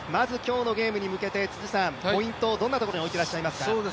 まず今日のゲームに向けて、ポイントをどんなところに置いていますか？